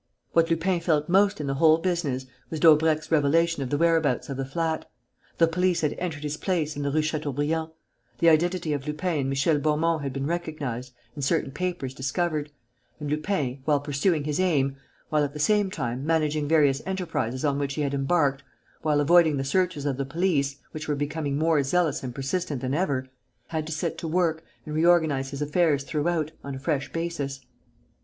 What Lupin felt most in the whole business was Daubrecq's revelation of the whereabouts of the flat. The police had entered his place in the Rue Chateaubriand. The identity of Lupin and Michel Beaumont had been recognized and certain papers discovered; and Lupin, while pursuing his aim, while, at the same time, managing various enterprises on which he had embarked, while avoiding the searches of the police, which were becoming more zealous and persistent than ever, had to set to work and reorganize his affairs throughout on a fresh basis.